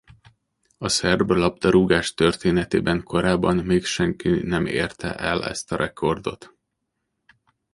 A szerb labdarúgás történetében korábban még senki nem érte el ezt a rekordot.